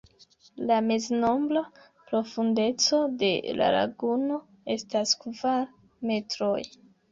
La meznombra profundeco de la laguno estas kvar metroj.